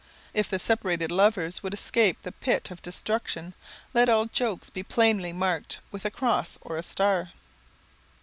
If the separated lovers would escape the pit of destruction, let all jokes be plainly marked with a cross or a star.